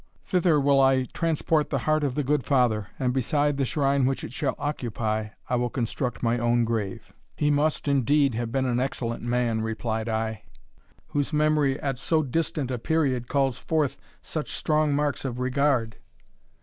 Thither will I transport the heart of the good father, and beside the shrine which it shall occupy, I will construct my own grave." "He must, indeed, have been an excellent man," replied I, "whose memory, at so distant a period, calls forth such strong marks of regard."